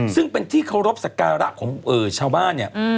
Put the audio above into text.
ซึ่งเป็นที่เคารพสักการะของชาวบ้านเนี่ย